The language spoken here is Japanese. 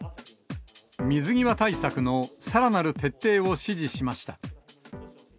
水際対策のさらなる徹底を指示しました。